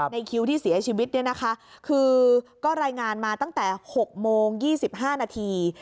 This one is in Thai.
คิวที่เสียชีวิตเนี่ยนะคะคือก็รายงานมาตั้งแต่๖โมง๒๕นาที